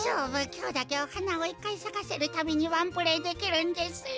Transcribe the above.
きょうだけおはなを１かいさかせるたびにワンプレーできるんですよ。